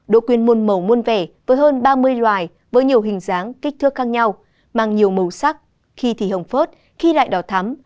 độ quyên môn màu muôn vẻ với hơn ba mươi loài với nhiều hình dáng kích thước khác nhau mang nhiều màu sắc khi thì hồng phớt khi lại đỏ thắm